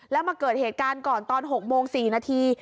แล้วมาเกิดเหตุการณ์ก่อนตอน๖โมง๔นาที